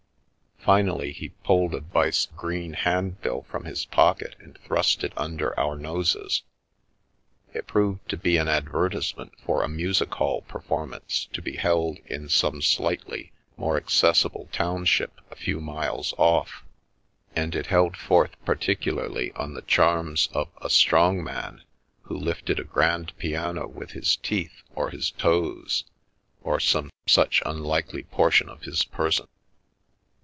Finally, he pulled a bice green handbill from his pocket and thrust it under our noses. It proved to be an advertisement for a music hall performance to be held in some slightly more accessible township a few miles off, and it held forth particularly on the charms of a " strong man " who lifted a grand piano with his teeth or his toes, or some such unlikely portion of his person.